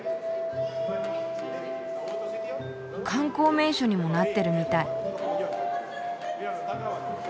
観光名所にもなってるみたい。